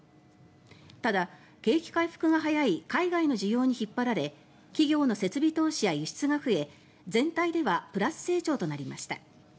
ただ、景気回復が早い海外の需要に引っ張られ企業の設備投資や輸出が増え全体ではプラス成長となりました。